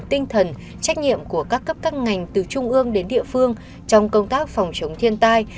tinh thần trách nhiệm của các cấp các ngành từ trung ương đến địa phương trong công tác phòng chống thiên tai